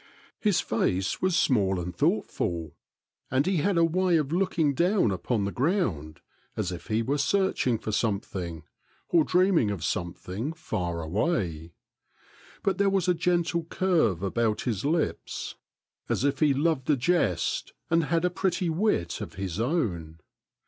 His face was 6 (At t§e tai>ax)> %nn small and thoughtful, and he had a way of looking down upon the ground as if he were searching for something, or dreaming of something far away ; but there was a gentle curve about his lips, as if he loved a jest and had a pretty wit of his own.